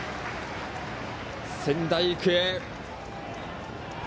仙台育英。